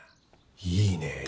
いいね